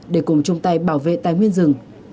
để cùng chung tay bảo vệ tài nguyên rừng